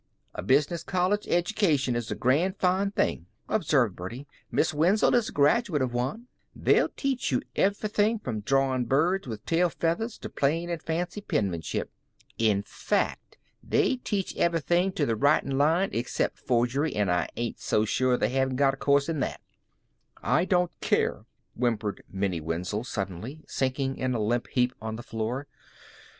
"A business college edjication is a grand foine thing," observed Birdie. "Miss Wenzel is a graduate av wan. They teach you everything from drawin' birds with tail feathers to plain and fancy penmanship. In fact, they teach everything in the writin' line except forgery, an' I ain't so sure they haven't got a coorse in that." "I don't care," whimpered Minnie Wenzel suddenly, sinking in a limp heap on the floor.